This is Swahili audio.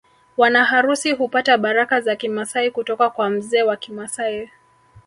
Wanaharusi hupata baraka za Kimasai kutoka kwa mzee wa Kimasai